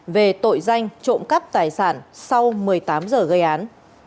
về tội danh trộm cắp tài sản sau một mươi tám giờ gây án